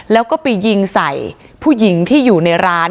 แล้วก็ไปยิงใส่ผู้หญิงที่อยู่ในร้าน